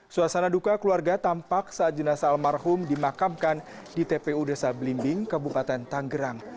suasana duka keluarga tampak saat jenazah almarhum dimakamkan di tpu desa belimbing kabupaten tanggerang